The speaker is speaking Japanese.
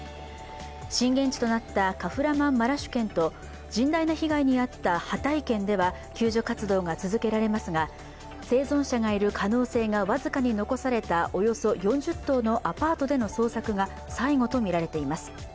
震源地となったカフラマンマラシュ県と甚大な被害に遭ったハタイ県では救助活動が続けられますが、生存者がいる可能性が僅かに残されたおよそ４０棟のアパートでの捜索が最後とみられています。